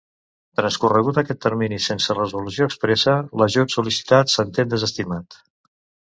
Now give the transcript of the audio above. Transcorregut aquest termini sense resolució expressa, l'ajut sol·licitat s'entén desestimat.